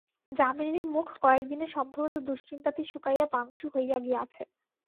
যামিনীর মুখ কয়েকদিনে সম্ভবত দুশ্চিন্তাতেই শুকাইয়া পাংশু হইয়া গিয়াছে।